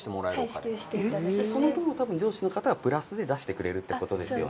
はい支給していただけてその分を多分上司の方がプラスで出してくれるってことですよね